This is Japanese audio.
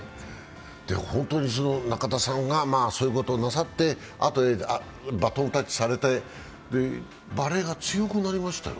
本当に中田さんがそういうことをなさって、あとへバトンタッチされてバレーが強くなりましたよ。